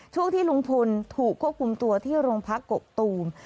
ช่วงที่ลุงพลถูกควบคุมตัวที่โรงพักกกตูม